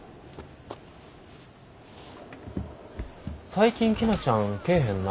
最近陽菜ちゃん来えへんな。